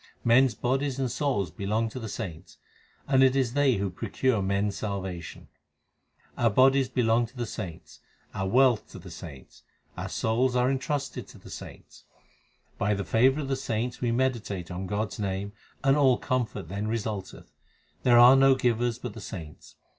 Men s bodies and souls belong to the saints, and it is they who procure men s salvation : Our bodies belong to the saints, our wealth to the saints, our souls are entrusted to the saints : By the favour of the saints we meditate on God s name, and all comfort then resulteth. There are no givers but the saints.